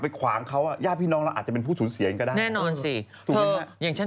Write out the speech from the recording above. ทุกวันนี้แท็คซี่ทำคลอดลูกเก่งกว่าน้อย